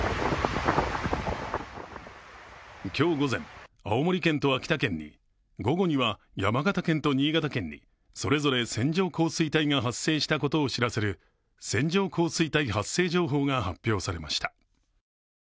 今日午前、青森県と秋田県に午後には山形県と新潟県にそれぞれ線状降水帯が発生したことを知らせる線状降水帯発生情報が発表されました。